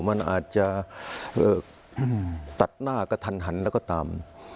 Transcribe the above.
มันอาจจะตัดหน้ากระทันหันแล้วก็ตาม